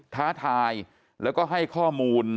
ท้าทายแล้วก็ให้ข้อมูล